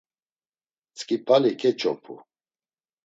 Tzǩip̌ali keç̌opu.